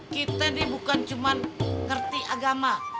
kita ini bukan cuma ngerti agama